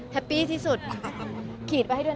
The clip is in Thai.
แฮปปี้ที่สุด